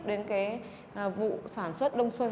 đến cái vụ sản xuất đông xuân